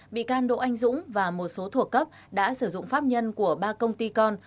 bị can đỗ anh dũng và một số thuộc cấp đã sử dụng pháp nhân của ba công ty con